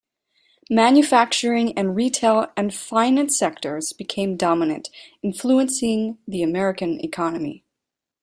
Manufacturing and retail and finance sectors became dominant, influencing the American economy.